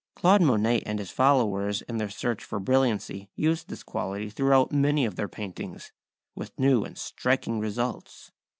Claude Monet and his followers in their search for brilliancy used this quality throughout many of their paintings, with new and striking results.